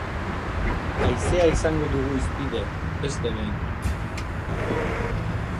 Haizea izango dugu hizpide, beste behin.